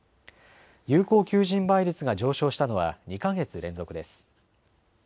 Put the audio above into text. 有効求人倍率が上昇したのは２か月連続です。